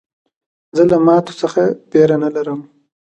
زه له ماتو څخه بېره نه لرم.